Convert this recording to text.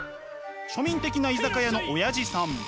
庶民的な居酒屋のオヤジさん。